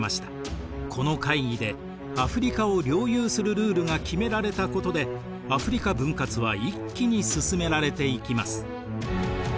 この会議でアフリカを領有するルールが決められたことでアフリカ分割は一気に進められていきます。